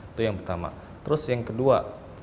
itu yang pertama terus yang kedua